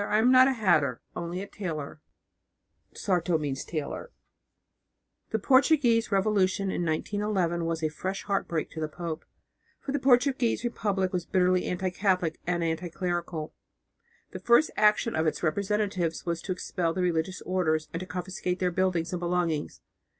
"I am not a hatter, only a tailor" (sarto). The Portuguese revolution in 1911 was a fresh heartbreak to the pope, for the Portuguese Republic was bitterly anti Catholic and anti clerical. The first action of its representatives was to expel the religious orders and to confiscate their buildings and belongings.